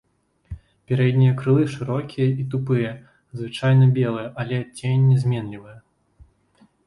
Пярэднія крылы шырокія і тупыя, звычайна белыя, але адценне зменлівае.